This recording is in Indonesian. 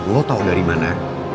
lo tau dari mana